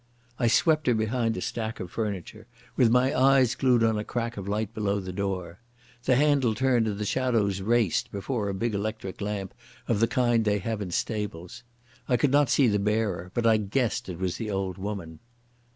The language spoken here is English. I swept her behind a stack of furniture, with my eyes glued on a crack of light below the door. The handle turned and the shadows raced before a big electric lamp of the kind they have in stables. I could not see the bearer, but I guessed it was the old woman.